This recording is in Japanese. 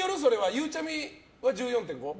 ゆうちゃみは１４．５？